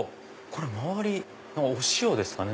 周りお塩ですかね？